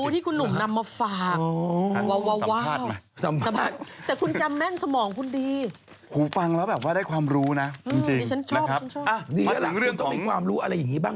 ดีแล้วล่ะคุณต้องมีความรู้อะไรอย่างนี้บ้าง